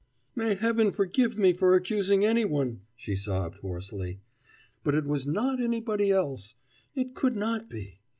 "May Heaven forgive me for accusing anyone," she sobbed hoarsely. "But it was not anybody else. It could not be.